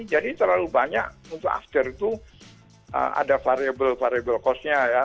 jadi terlalu banyak untuk aftur itu ada variable variable costnya ya